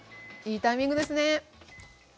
いいタイミングですね！